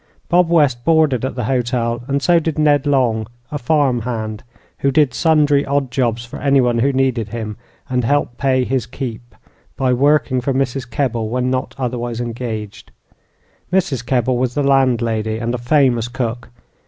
Bob West boarded at the hotel, and so did Ned Long, a "farm hand," who did sundry odd jobs for anyone who needed him, and helped pay his "keep" by working for Mrs. Kebble when not otherwise engaged. Mrs. Kebble was the landlady, and a famous cook.